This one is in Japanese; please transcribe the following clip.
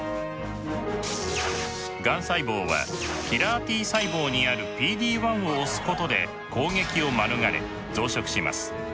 がん細胞はキラーＴ細胞にあるＰＤ−１を押すことで攻撃を免れ増殖します。